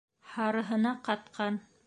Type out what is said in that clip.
Һарыһына ҡатҡан.